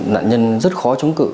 nạn nhân rất khó chống cự